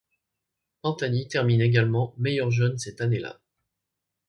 Pantani termine également meilleur jeune cette année-là.